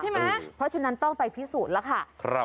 เพราะฉะนั้นต้องไปพิสูจน์แล้วค่ะ